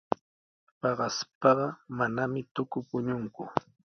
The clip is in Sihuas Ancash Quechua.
Paqaspaqa manami tuku puñunku.